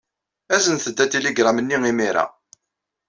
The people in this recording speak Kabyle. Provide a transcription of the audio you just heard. Aznet-d atiligṛam-nni imir-a.